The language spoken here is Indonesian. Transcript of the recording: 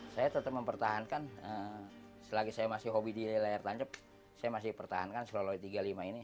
saya tetap mempertahankan selagi saya masih hobi di layar tancap saya masih pertahankan selalu tiga puluh lima ini